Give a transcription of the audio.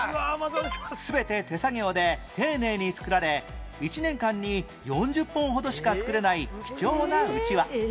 全て手作業で丁寧に作られ１年間に４０本ほどしか作れない貴重なうちわ